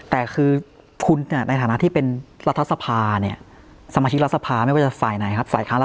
แต่คุณในฐานะที่เป็นรัฐสภาสมาชิกรัฐสภาว่าจะใส่ในศาสตร์